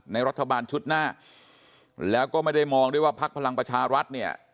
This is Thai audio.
รัฐบาลชุดหน้าแล้วก็ไม่ได้มองด้วยว่าพักพลังประชารัฐเนี่ย